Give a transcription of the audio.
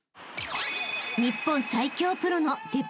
［日本最強プロの鉄壁